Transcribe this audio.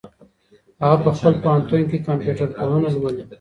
هغه په خپل پوهنتون کي کمپيوټر پوهنه لولي.